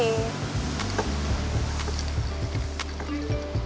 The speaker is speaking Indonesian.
ini tuh coklat